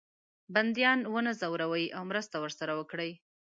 بندیان ونه زوروي او مرسته ورسره وکړي.